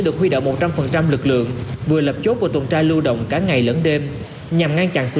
được huy đạo một trăm linh lực lượng vừa lập chốt và tồn tra lưu động cả ngày lẫn đêm nhằm ngăn chặn xử